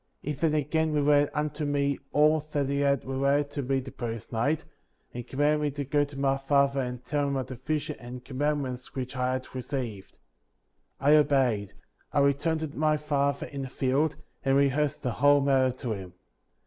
He the© again related unto me all that he had related to me the previous night, and commanded me to go to my father and tell him of the vision and com mandments which I had received. 50. I obeyed; I returned * to my father in the field, and rehearsed the whole matter to him.